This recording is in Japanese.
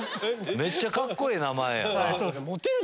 めっちゃカッコええ名前やな。